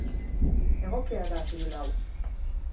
Egokia da pilula hau?